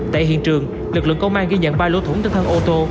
tại hiện trường lực lượng công an ghi nhận ba lỗ thủng trên thân ô tô